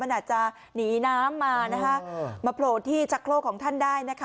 มันอาจจะหนีน้ำมานะคะมาโผล่ที่ชักโครกของท่านได้นะคะ